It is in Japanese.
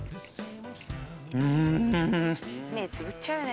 うん！